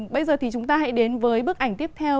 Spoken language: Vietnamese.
bây giờ thì chúng ta hãy đến với bức ảnh tiếp theo